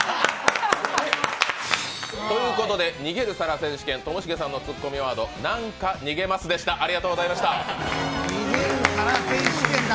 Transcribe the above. ということで逃げる皿選手権ともしげさんのツッコミワード「なんか逃げます」でしたありがとうございました。